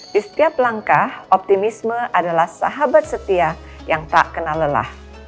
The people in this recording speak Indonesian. di setiap langkah optimisme adalah sahabat setia yang tak kena lelah